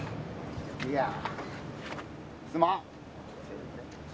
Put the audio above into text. いやすまんす